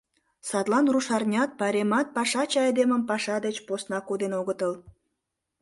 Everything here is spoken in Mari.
Садлан рушарнят, пайремат пашаче айдемым паша деч посна коден огытыл.